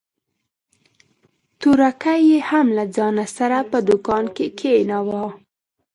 تورکى يې هم له ځان سره په دوکان کښې کښېناوه.